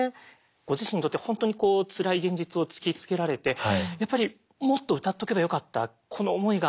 ご自身にとって本当にこうつらい現実を突きつけられてやっぱりもっと歌っておけばよかったこの思いが随分強くなったみたいですね。